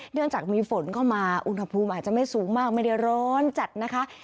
เนื่องจากมีฝนเข้ามาอุณหภูมิอาจจะไม่สูงมากไม่ได้ร้อนจัดนะคะ